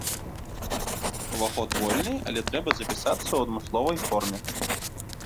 Уваход вольны, але трэба запісацца ў адмысловай форме.